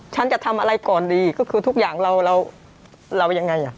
ฉันจะทำอะไรก่อนดีก็คือทุกอย่างเราเรายังไงอ่ะ